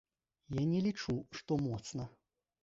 Я не лічу, што моцна.